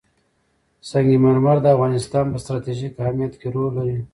سنگ مرمر د افغانستان په ستراتیژیک اهمیت کې رول لري.